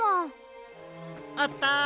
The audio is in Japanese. あった！